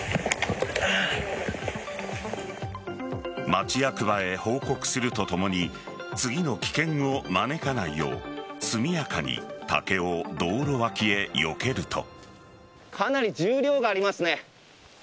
町役場へ報告するとともに次の危険を招かないよう速やかに竹を道路脇へよけると。